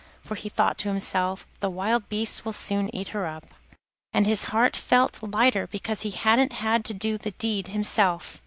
For he thought to himself: 'The wild beasts will soon eat her up.' And his heart felt lighter because he hadn't had to do the deed himself.